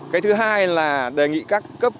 cái thứ hai là đề nghị các cấp